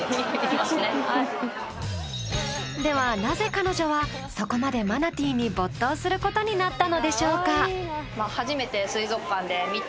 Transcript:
ではなぜ彼女はそこまでマナティーに没頭する事になったのでしょうか。